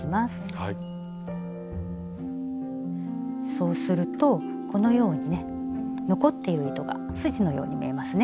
そうするとこのようにね残っている糸がすじのように見えますね。